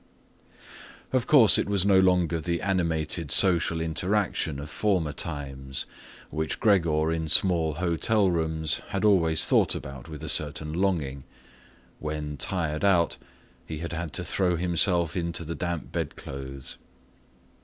Of course, it was no longer the animated social interaction of former times, which Gregor in small hotel rooms had always thought about with a certain longing, when, tired out, he had had to throw himself into the damp bedclothes.